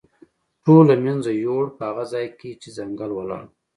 ټول له منځه یووړ، په هغه ځای کې چې ځنګل ولاړ و.